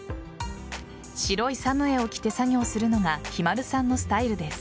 白い作務衣を着て作業するのがひまるさんのスタイルです。